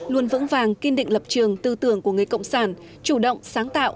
luôn vững vàng kiên định lập trường tư tưởng của người cộng sản chủ động sáng tạo